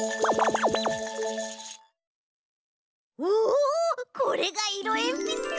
おこれがいろえんぴつか！